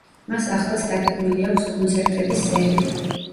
მას ახლაც დაგეგმილი აქვს კონცერტების სერია.